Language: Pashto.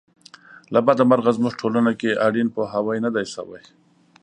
له بده مرغه زموږ ټولنه کې اړین پوهاوی نه دی شوی.